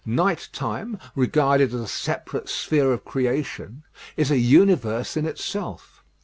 Night time, regarded as a separate sphere of creation, is a universe in itself.